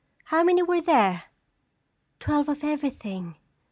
How many were there?" "Twelve of everything."